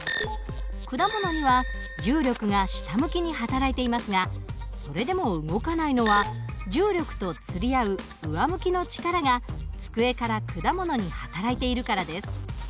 果物には重力が下向きに働いていますがそれでも動かないのは重力とつり合う上向きの力が机から果物に働いているからです。